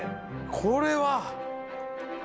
これは。